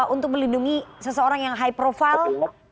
untuk melindungi seseorang yang high profile